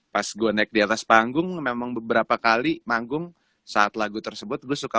pas gue naik di atas panggung memang beberapa kali manggung saat lagu tersebut gue suka